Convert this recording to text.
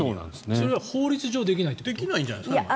それは法律上できないということですか。